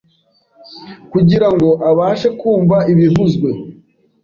kugirango abashe kumva ibivuzwe